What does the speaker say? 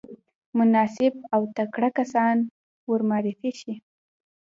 مناسب او تکړه کسان ورمعرفي شي.